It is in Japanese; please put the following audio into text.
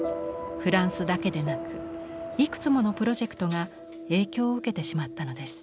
フランスだけでなくいくつものプロジェクトが影響を受けてしまったのです。